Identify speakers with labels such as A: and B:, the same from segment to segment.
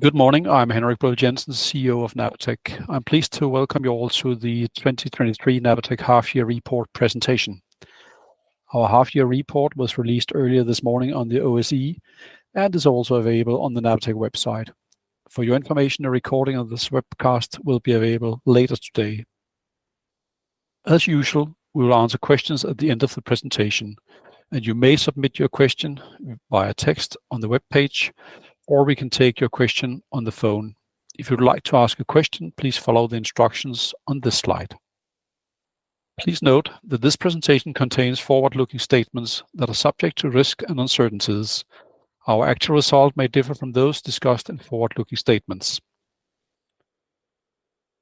A: Good morning. I'm Henrik Brill Jensen, CEO of Napatech. I'm pleased to welcome you all to the 2023 Napatech half-year report presentation. Our half-year report was released earlier this morning on the OSE, and is also available on the Napatech website. For your information, a recording of this webcast will be available later today. As usual, we will answer questions at the end of the presentation, and you may submit your question via text on the webpage, or we can take your question on the phone. If you would like to ask a question, please follow the instructions on this slide. Please note that this presentation contains forward-looking statements that are subject to risks and uncertainties. Our actual results may differ from those discussed in forward-looking statements.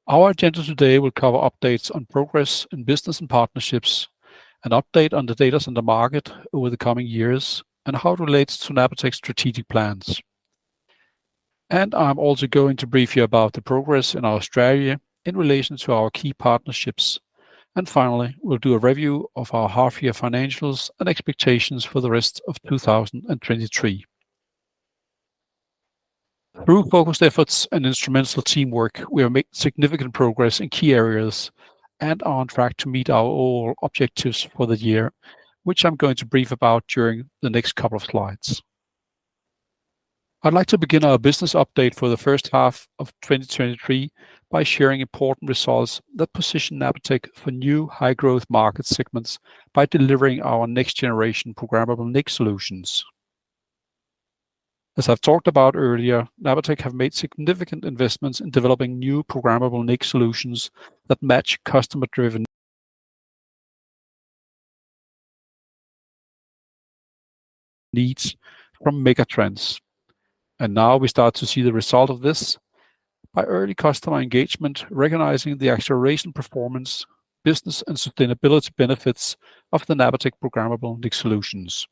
A: Our agenda today will cover updates on progress in business and partnerships, an update on the data in the market over the coming years, and how it relates to Napatech strategic plans. I'm also going to brief you about the progress in Australia in relation to our key partnerships. Finally, we'll do a review of our half-year financials and expectations for the rest of 2023. Through focused efforts and instrumental teamwork, we are making significant progress in key areas and are on track to meet all our objectives for the year, which I'm going to brief about during the next couple of slides. I'd like to begin our business update for the first half of 2023 by sharing important results that position Napatech for new high-growth market segments by delivering our next generation programmable NIC solutions. As I've talked about earlier, Napatech has made significant investments in developing new programmable NIC solutions that match customer-driven needs from mega trends. Now we start to see the result of this by early customer engagement, recognizing the acceleration, performance, business, and sustainability benefits of the Napatech programmable NIC solutions.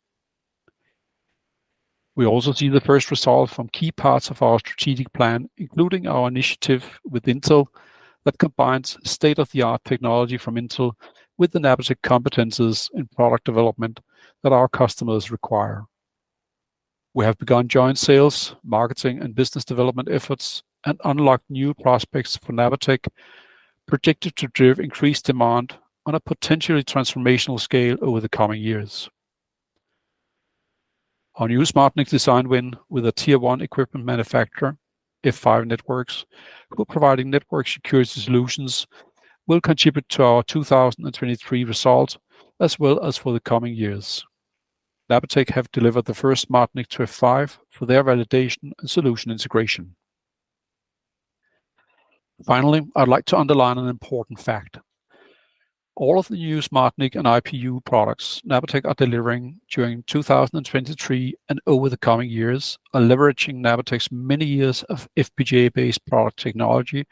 A: We also see the first result from key parts of our strategic plan, including our initiative with Intel, that combines state-of-the-art technology from Intel with the Napatech competencies in product development that our customers require. We have begun joint sales, marketing, and business development efforts, and unlocked new prospects for Napatech, predicted to drive increased demand on a potentially transformational scale over the coming years. Our new SmartNIC design win with a tier one equipment manufacturer, F5, who are providing network security solutions, will contribute to our 2023 results as well as for the coming years. Napatech have delivered the first SmartNIC to F5 for their validation and solution integration. Finally, I'd like to underline an important fact. All of the new SmartNIC and IPU products Napatech are delivering during 2023 and over the coming years are leveraging Napatech's many years of FPGA-based product technology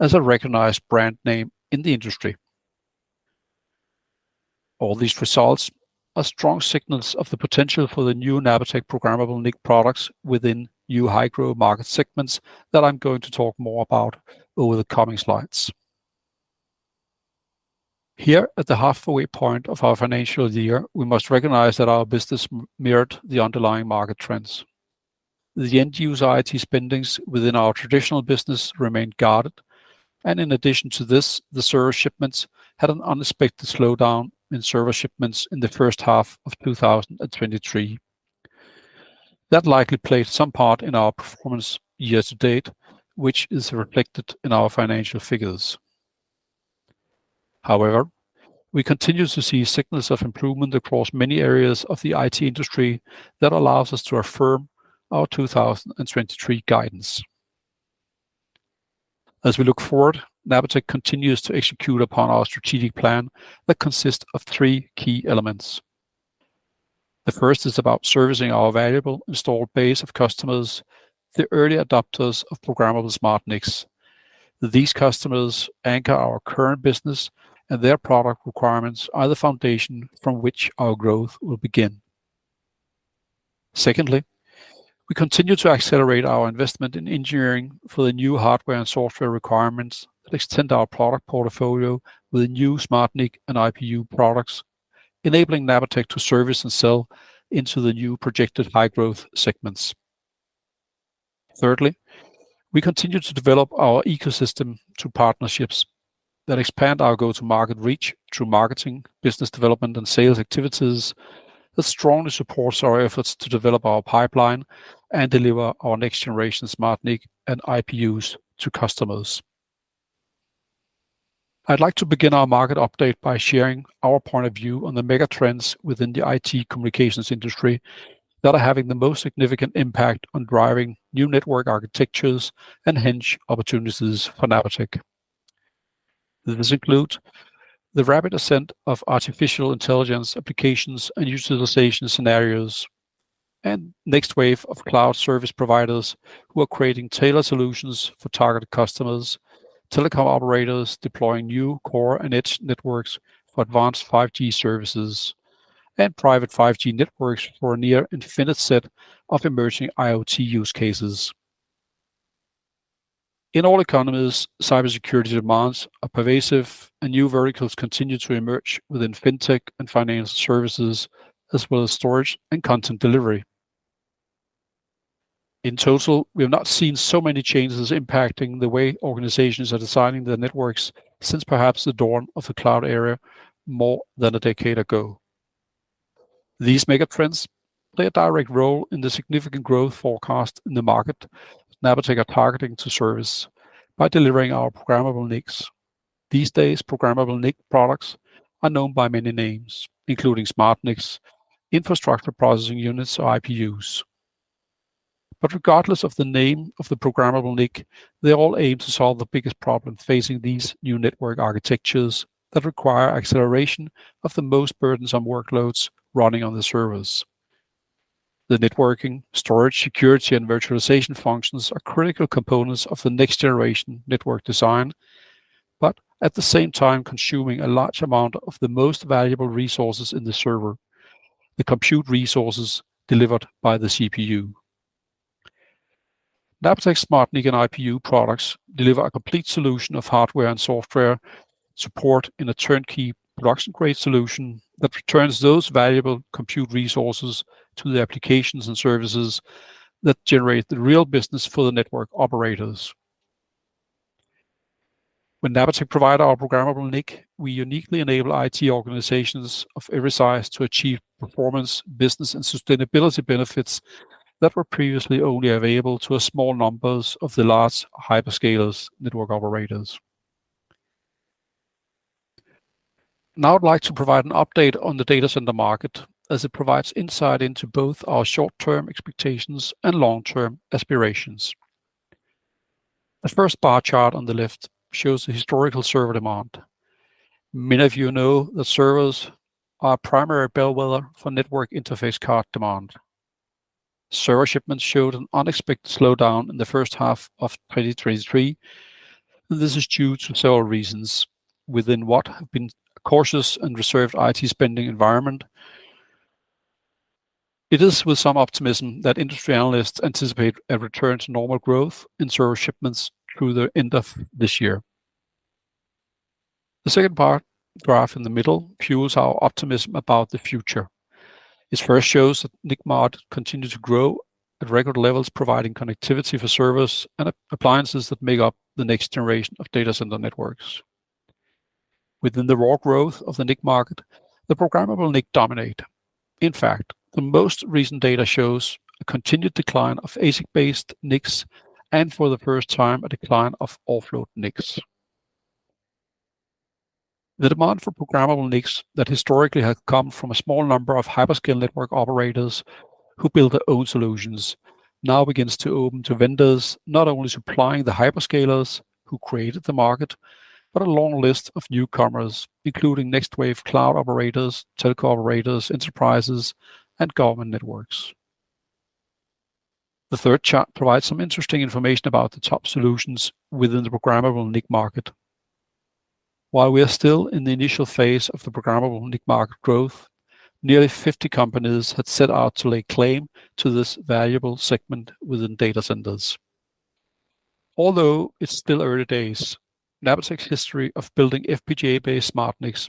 A: as a recognized brand name in the industry. All these results are strong signals of the potential for the new Napatech programmable NIC products within new high-growth market segments that I'm going to talk more about over the coming slides. Here, at the halfway point of our financial year, we must recognize that our business mirrored the underlying market trends. The end-user IT spending within our traditional business remained guarded, and in addition to this, the server shipments had an unexpected slowdown in server shipments in the first half of 2023. That likely played some part in our performance year to date, which is reflected in our financial figures. However, we continue to see signals of improvement across many areas of the IT industry that allows us to affirm our 2023 guidance. As we look forward, Napatech continues to execute upon our strategic plan that consists of three key elements. The first is about servicing our valuable installed base of customers, the early adopters of programmable SmartNICs. These customers anchor our current business, and their product requirements are the foundation from which our growth will begin. Secondly, we continue to accelerate our investment in engineering for the new hardware and software requirements that extend our product portfolio with the new SmartNIC and IPU products, enabling Napatech to service and sell into the new projected high-growth segments. Thirdly, we continue to develop our ecosystem to partnerships that expand our go-to-market reach through marketing, business development, and sales activities. This strongly supports our efforts to develop our pipeline and deliver our next generation SmartNIC and IPUs to customers. I'd like to begin our market update by sharing our point of view on the mega trends within the IT communications industry that are having the most significant impact on driving new network architectures and hence, opportunities for Napatech. These include the rapid ascent of artificial intelligence applications and utilization scenarios, and next wave of cloud service providers who are creating tailored solutions for targeted customers, telecom operators deploying new core and edge networks for advanced 5G services, and private 5G networks for a near infinite set of emerging IoT use cases.... In all economies, cybersecurity demands are pervasive, and new verticals continue to emerge within FinTech and financial services, as well as storage and content delivery. In total, we have not seen so many changes impacting the way organizations are designing their networks since perhaps the dawn of the cloud era, more than a decade ago. These mega trends play a direct role in the significant growth forecast in the market Napatech are targeting to service by delivering our programmable NICs. These days, programmable NIC products are known by many names, including SmartNICs, Infrastructure Processing Units or IPUs. But regardless of the name of the programmable NIC, they all aim to solve the biggest problem facing these new network architectures that require acceleration of the most burdensome workloads running on the servers. The networking, storage, security, and virtualization functions are critical components of the next generation network design, but at the same time consuming a large amount of the most valuable resources in the server, the compute resources delivered by the CPU. Napatech SmartNIC and IPU products deliver a complete solution of hardware and software support in a turnkey, production-grade solution that returns those valuable compute resources to the applications and services that generate the real business for the network operators. When Napatech provide our programmable NIC, we uniquely enable IT organizations of every size to achieve performance, business, and sustainability benefits that were previously only available to a small numbers of the large hyperscalers network operators. Now, I'd like to provide an update on the data center market as it provides insight into both our short-term expectations and long-term aspirations. The first bar chart on the left shows the historical server demand. Many of you know that servers are a primary bellwether for network interface card demand. Server shipments showed an unexpected slowdown in the first half of 2023. This is due to several reasons within what has been a cautious and reserved IT spending environment. It is with some optimism that industry analysts anticipate a return to normal growth in server shipments through the end of this year. The second bar graph in the middle fuels our optimism about the future. It first shows that the NIC market continues to grow at record levels, providing connectivity for servers and appliances that make up the next generation of data center networks. Within the raw growth of the NIC market, the programmable NIC dominate. In fact, the most recent data shows a continued decline of ASIC-based NICs, and for the first time, a decline of offload NICs. The demand for programmable NICs that historically had come from a small number of hyperscale network operators who build their own solutions, now begins to open to vendors not only supplying the hyperscalers who created the market, but a long list of newcomers, including next wave cloud operators, telecom operators, enterprises, and government networks. The third chart provides some interesting information about the top solutions within the programmable NIC market. While we are still in the initial phase of the programmable NIC market growth, nearly 50 companies had set out to lay claim to this valuable segment within data centers. Although it's still early days, Napatech's history of building FPGA-based SmartNICs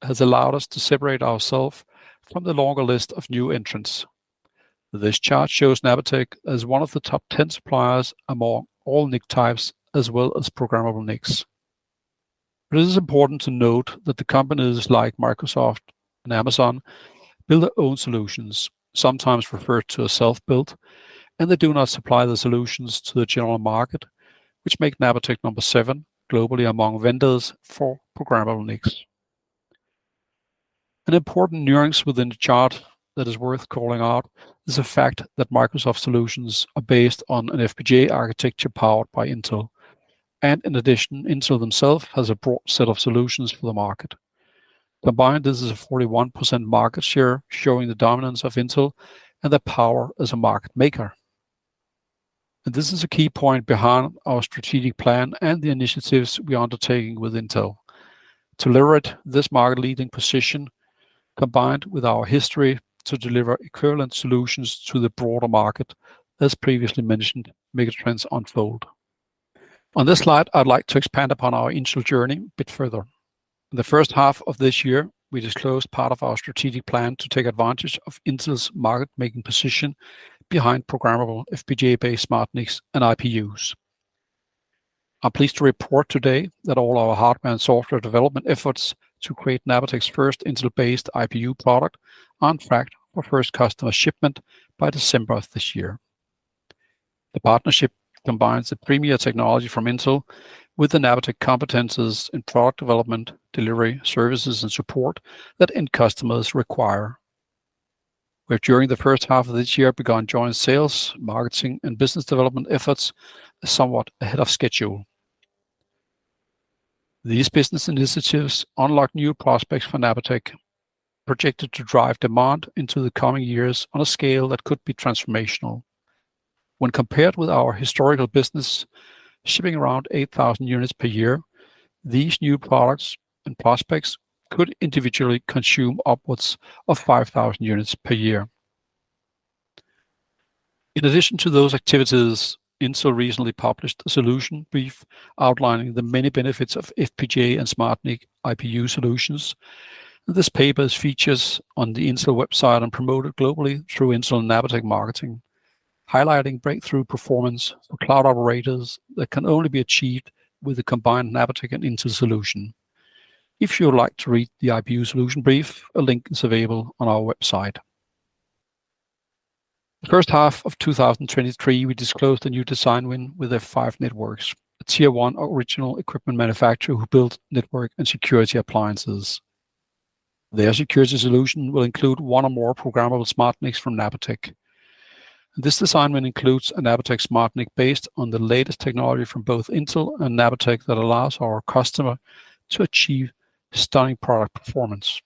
A: has allowed us to separate ourselves from the longer list of new entrants. This chart shows Napatech as one of the top 10 suppliers among all NIC types, as well as programmable NICs. It is important to note that companies like Microsoft and Amazon build their own solutions, sometimes referred to as self-built, and they do not supply the solutions to the general market, which makes Napatech number 7 globally among vendors for programmable NICs. An important nuance within the chart that is worth calling out is the fact that Microsoft solutions are based on an FPGA architecture powered by Intel. In addition, Intel themselves has a broad set of solutions for the market. Combined, this is a 41% market share, showing the dominance of Intel and their power as a market maker. This is a key point behind our strategic plan and the initiatives we are undertaking with Intel. To leverage this market-leading position, combined with our history to deliver equivalent solutions to the broader market, as previously mentioned, mega trends unfold. On this slide, I'd like to expand upon our Intel journey a bit further. The first half of this year, we disclosed part of our strategic plan to take advantage of Intel's market-making position behind programmable FPGA-based SmartNICs and IPUs. I'm pleased to report today that all our hardware and software development efforts to create Napatech's first Intel-based IPU product on track for first customer shipment by December of this year. The partnership combines the premier technology from Intel with the Napatech competencies in product development, delivery, services, and support that end customers require. Where during the first half of this year, began joint sales, marketing, and business development efforts are somewhat ahead of schedule. These business initiatives unlock new prospects for Napatech, projected to drive demand into the coming years on a scale that could be transformational. When compared with our historical business, shipping around 8,000 units per year, these new products and prospects could individually consume upwards of 5,000 units per year.... In addition to those activities, Intel recently published a solution brief outlining the many benefits of FPGA and SmartNIC IPU solutions. This paper is featured on the Intel website and promoted globally through Intel and Napatech marketing, highlighting breakthrough performance for cloud operators that can only be achieved with the combined Napatech and Intel solution. If you would like to read the IPU solution brief, a link is available on our website. The first half of 2023, we disclosed a new design win with F5, a tier one original equipment manufacturer who builds network and security appliances. Their security solution will include one or more programmable SmartNICs from Napatech. This design win includes a Napatech SmartNIC based on the latest technology from both Intel and Napatech that allows our customer to achieve stunning product performance.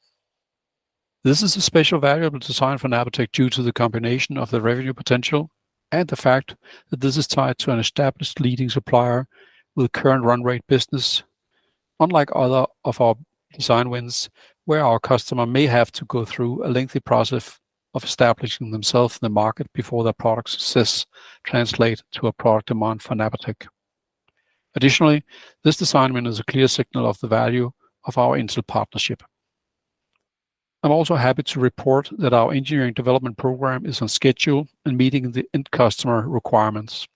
A: This is a special valuable design for Napatech due to the combination of the revenue potential and the fact that this is tied to an established leading supplier with current run rate business. Unlike other of our design wins, where our customer may have to go through a lengthy process of establishing themselves in the market before their product success translate to a product demand for Napatech. Additionally, this design win is a clear signal of the value of our Intel partnership. I'm also happy to report that our engineering development program is on schedule and meeting the end customer requirements.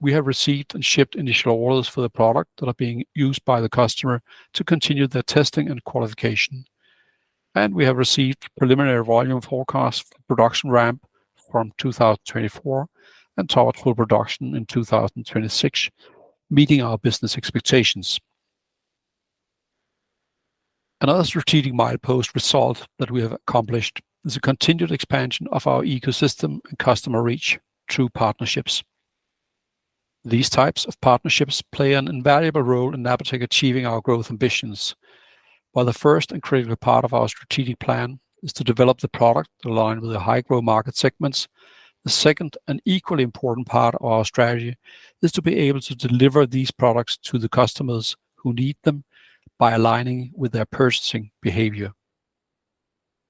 A: We have received and shipped initial orders for the product that are being used by the customer to continue their testing and qualification. We have received preliminary volume forecast for production ramp from 2024, and target full production in 2026, meeting our business expectations. Another strategic milepost result that we have accomplished is a continued expansion of our ecosystem and customer reach through partnerships. These types of partnerships play an invaluable role in Napatech achieving our growth ambitions. While the first and critical part of our strategic plan is to develop the product aligned with the high-growth market segments, the second and equally important part of our strategy is to be able to deliver these products to the customers who need them by aligning with their purchasing behavior.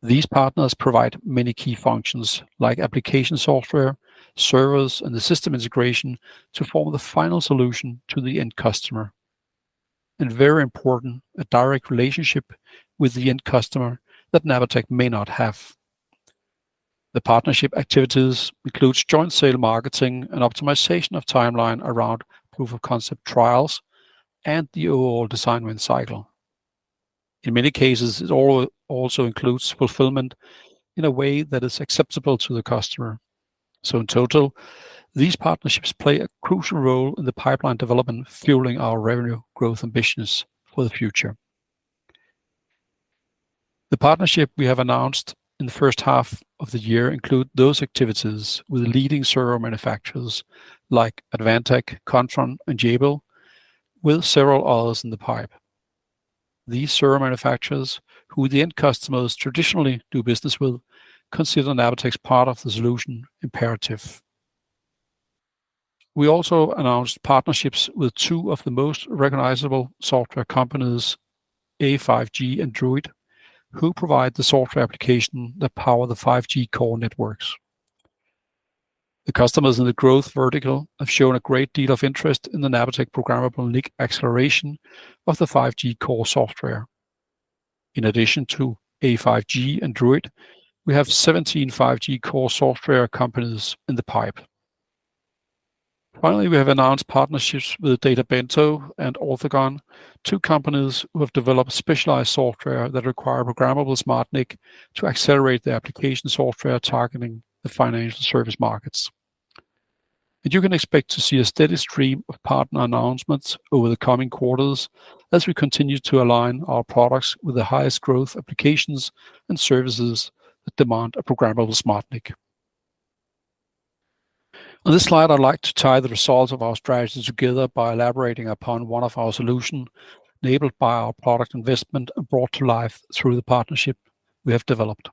A: These partners provide many key functions like application software, servers, and the system integration to form the final solution to the end customer, and very important, a direct relationship with the end customer that Napatech may not have. The partnership activities includes joint sale marketing and optimization of timeline around proof of concept trials and the overall design win cycle. In many cases, it also includes fulfillment in a way that is acceptable to the customer. So in total, these partnerships play a crucial role in the pipeline development, fueling our revenue growth ambitions for the future. The partnership we have announced in the first half of the year include those activities with leading server manufacturers like Advantech, Kontron, and Jabil, with several others in the pipe. These server manufacturers, who the end customers traditionally do business with, consider Napatech's part of the solution imperative. We also announced partnerships with two of the most recognizable software companies, A5G and Druid, who provide the software application that power the 5G core networks. The customers in the growth vertical have shown a great deal of interest in the Napatech programmable NIC acceleration of the 5G core software. In addition to A5G and Druid, we have 17 5G core software companies in the pipe. Finally, we have announced partnerships with Databento and Orthogone, two companies who have developed specialized software that require programmable SmartNIC to accelerate their application software targeting the financial service markets. You can expect to see a steady stream of partner announcements over the coming quarters as we continue to align our products with the highest growth applications and services that demand a programmable SmartNIC. On this slide, I'd like to tie the results of our strategies together by elaborating upon one of our solutions, enabled by our product investment and brought to life through the partnership we have developed.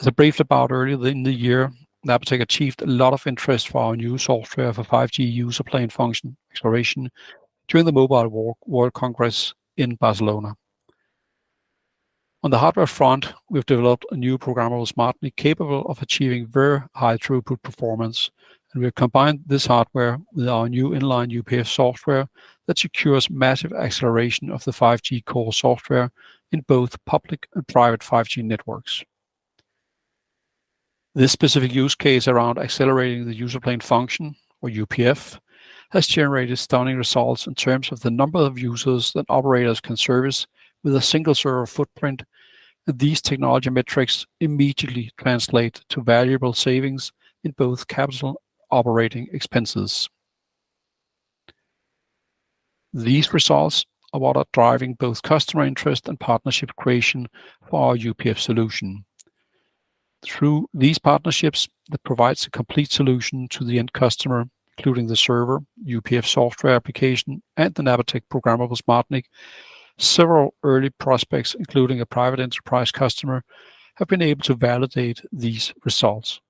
A: As I briefed about earlier in the year, Napatech achieved a lot of interest for our new software for 5G user plane function exploration during the Mobile World Congress in Barcelona. On the hardware front, we've developed a new programmable SmartNIC, capable of achieving very high throughput performance, and we have combined this hardware with our new inline UPF software that secures massive acceleration of the 5G core software in both public and private 5G networks. This specific use case around accelerating the user plane function, or UPF, has generated stunning results in terms of the number of users that operators can service with a single server footprint, and these technology metrics immediately translate to valuable savings in both capital operating expenses. These results are what are driving both customer interest and partnership creation for our UPF solution. Through these partnerships, that provides a complete solution to the end customer, including the server, UPF software application, and the Napatech programmable SmartNIC. Several early prospects, including a private enterprise customer, have been able to validate these results....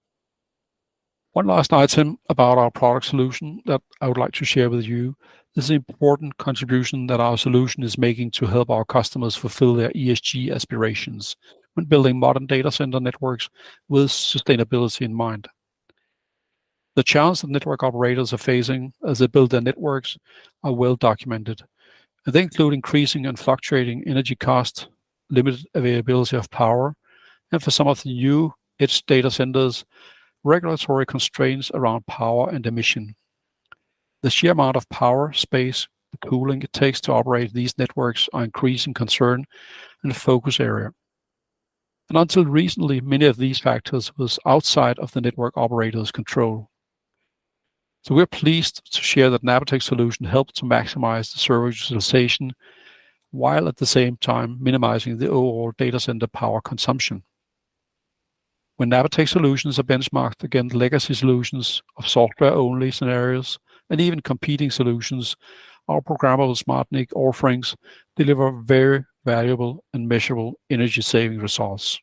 A: One last item about our product solution that I would like to share with you is the important contribution that our solution is making to help our customers fulfill their ESG aspirations when building modern data center networks with sustainability in mind. The challenge that network operators are facing as they build their networks are well documented, and they include increasing and fluctuating energy costs, limited availability of power, and for some of the new edge data centers, regulatory constraints around power and emission. The sheer amount of power, space, and cooling it takes to operate these networks are increasing concern and a focus area. Until recently, many of these factors was outside of the network operator's control. We're pleased to share that Napatech solution helped to maximize the server utilization, while at the same time minimizing the overall data center power consumption. When Napatech solutions are benchmarked against legacy solutions of software-only scenarios and even competing solutions, our programmable SmartNIC offerings deliver very valuable and measurable energy saving results.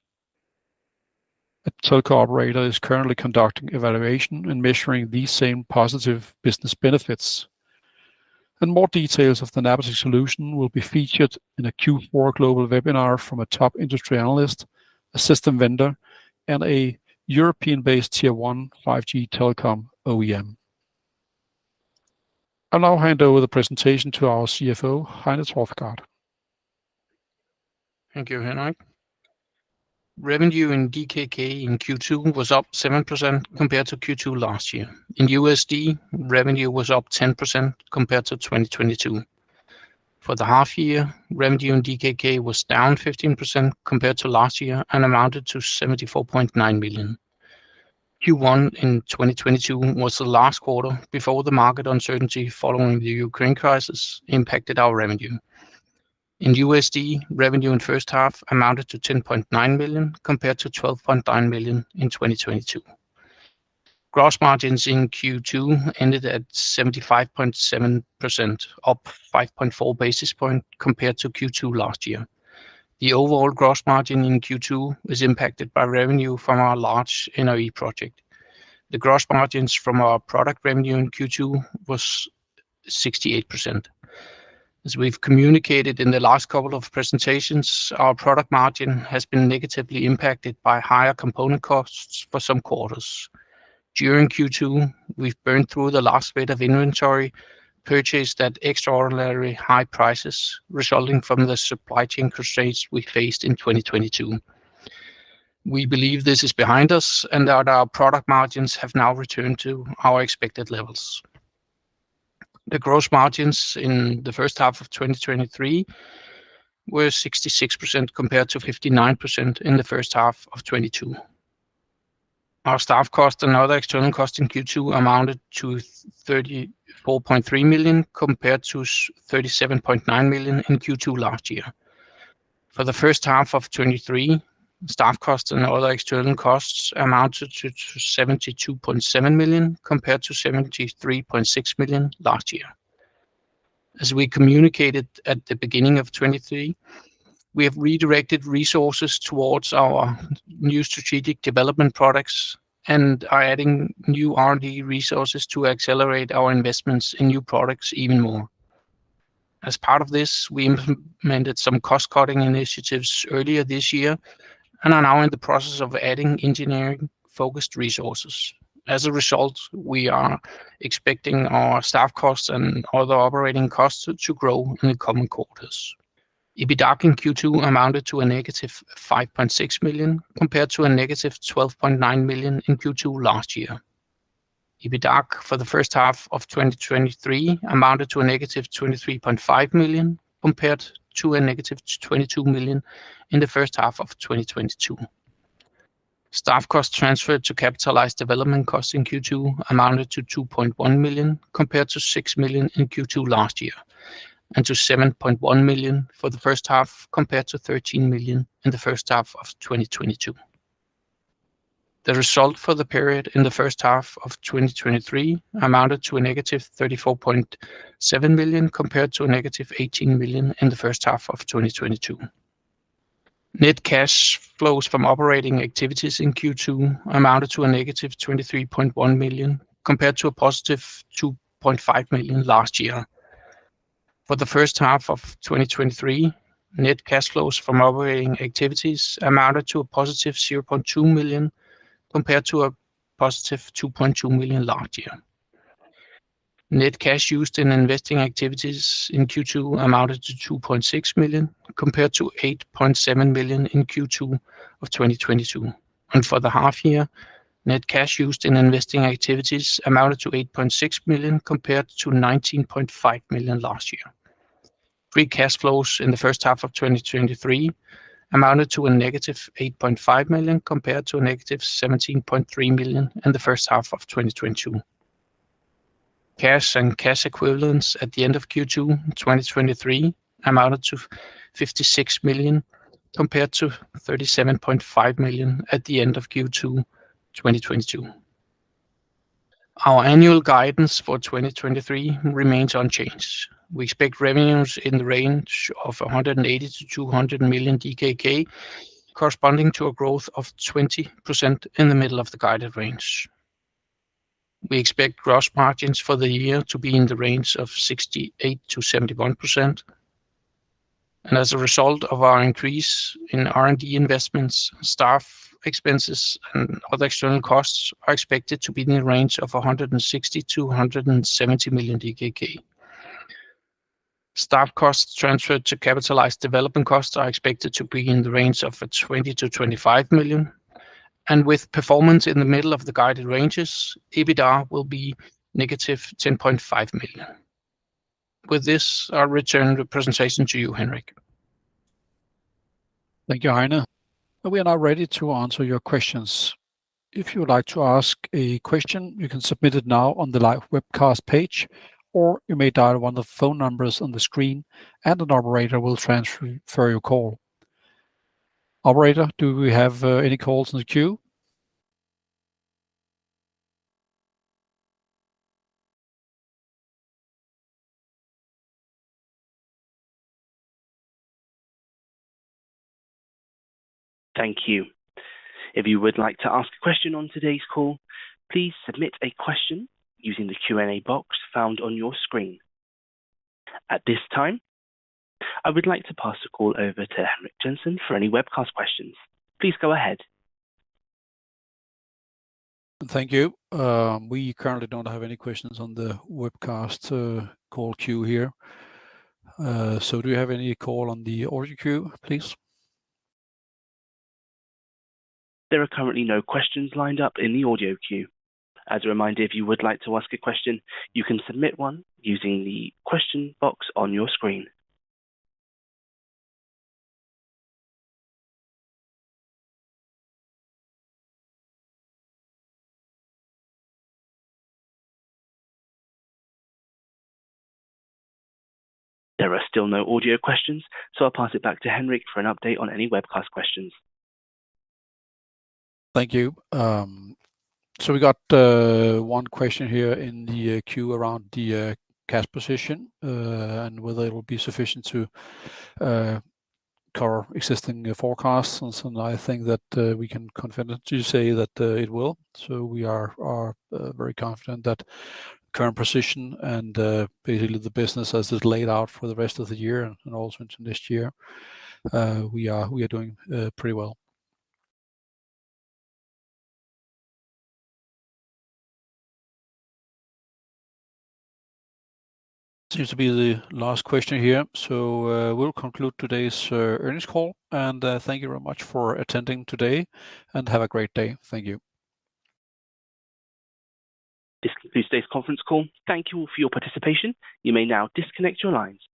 A: A telco operator is currently conducting evaluation and measuring these same positive business benefits. More details of the Napatech solution will be featured in a Q4 global webinar from a top industry analyst, a system vendor, and a European-based Tier one 5G telecom OEM. I'll now hand over the presentation to our CFO, Heine Thorsgaard.
B: Thank you, Henrik. Revenue in DKK in Q2 was up 7% compared to Q2 last year. In USD, revenue was up 10% compared to 2022. For the half year, revenue in DKK was down 15% compared to last year and amounted to 74.9 million. Q1 in 2022 was the last quarter before the market uncertainty following the Ukraine crisis impacted our revenue. In USD, revenue in first half amounted to $10.9 million, compared to $12.9 million in 2022. Gross margins in Q2 ended at 75.7%, up 5.4 basis points compared to Q2 last year. The overall gross margin in Q2 is impacted by revenue from our large NRE project. The gross margins from our product revenue in Q2 was 68%. As we've communicated in the last couple of presentations, our product margin has been negatively impacted by higher component costs for some quarters. During Q2, we've burned through the last bit of inventory, purchased at extraordinary high prices, resulting from the supply chain constraints we faced in 2022. We believe this is behind us and that our product margins have now returned to our expected levels. The gross margins in the first half of 2023 were 66%, compared to 59% in the first half of 2022. Our staff cost and other external costs in Q2 amounted to 34.3 million, compared to thirty-seven point nine million in Q2 last year. For the first half of 2023, staff costs and other external costs amounted to seventy-two point seven million, compared to 73.6 million last year. As we communicated at the beginning of 2023, we have redirected resources towards our new strategic development products and are adding new R&D resources to accelerate our investments in new products even more. As part of this, we implemented some cost-cutting initiatives earlier this year and are now in the process of adding engineering-focused resources. As a result, we are expecting our staff costs and other operating costs to grow in the coming quarters. EBITDA in Q2 amounted to -5.6 million, compared to -12.9 million in Q2 last year. EBITDA for the first half of 2023 amounted to -23.5 million, compared to -22 million in the first half of 2022. Staff costs transferred to capitalized development costs in Q2 amounted to 2.1 million, compared to 6 million in Q2 last year, and to 7.1 million for the first half, compared to 13 million in the first half of 2022. The result for the period in the first half of 2023 amounted to a negative 34.7 million, compared to a negative 18 million in the first half of 2022. Net cash flows from operating activities in Q2 amounted to a negative 23.1 million, compared to a positive 2.5 million last year. For the first half of 2023, net cash flows from operating activities amounted to a positive 0.2 million, compared to a positive 2.2 million last year. Net cash used in investing activities in Q2 amounted to 2.6 million, compared to 8.7 million in Q2 of 2022. For the half year, net cash used in investing activities amounted to 8.6 million, compared to 19.5 million last year. Free cash flows in the first half of 2023 amounted to a negative 8.5 million, compared to a negative 17.3 million in the first half of 2022. Cash and cash equivalents at the end of Q2 2023 amounted to 56 million, compared to 37.5 million at the end of Q2 2022. Our annual guidance for 2023 remains unchanged. We expect revenues in the range of 180-200 million DKK, corresponding to a growth of 20% in the middle of the guided range. We expect gross margins for the year to be in the range of 68%-71%. And as a result of our increase in R&D investments, staff expenses, and other external costs are expected to be in the range of 160 million-170 million DKK. Staff costs transferred to capitalized development costs are expected to be in the range of 20 million-25 million, and with performance in the middle of the guided ranges, EBITDA will be -10.5 million. With this, I'll return the presentation to you, Henrik.
A: Thank you, Heine. We are now ready to answer your questions. If you would like to ask a question, you can submit it now on the live webcast page, or you may dial one of the phone numbers on the screen, and an operator will transfer, transfer your call. Operator, do we have any calls in the queue?
C: Thank you. If you would like to ask a question on today's call, please submit a question using the Q&A box found on your screen. At this time, I would like to pass the call over to Henrik Jensen for any webcast questions. Please go ahead.
A: Thank you. We currently don't have any questions on the webcast call queue here. So do you have any call on the audio queue, please?
C: There are currently no questions lined up in the audio queue. As a reminder, if you would like to ask a question, you can submit one using the question box on your screen. There are still no audio questions, so I'll pass it back to Henrik for an update on any webcast questions.
A: Thank you. So we got one question here in the queue around the cash position and whether it will be sufficient to cover existing forecasts. And so I think that we can confidently say that it will. So we are very confident that current position and basically the business as is laid out for the rest of the year and also into next year we are doing pretty well. Seems to be the last question here, so we'll conclude today's earnings call, and thank you very much for attending today, and have a great day. Thank you.
C: This concludes today's conference call. Thank you all for your participation. You may now disconnect your lines.